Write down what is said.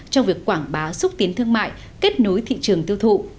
trong việc quảng bá xúc tiến thương mại kết nối thị trường tiêu thụ